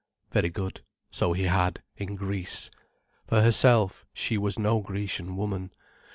Very good, so he had, in Greece. For herself, she was no Grecian woman.